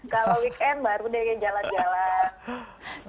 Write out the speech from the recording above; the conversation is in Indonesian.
kalau weekend baru deh jalan jalan